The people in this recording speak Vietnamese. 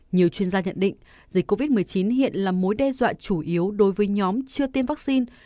nhiều chuyên gia nhận định dịch covid một mươi chín hiện là mối đe dọa chủ yếu đối với nhóm chưa tiêm vaccine